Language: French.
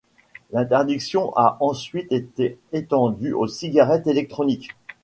L'interdiction a ensuite été étendue aux cigarettes électroniques.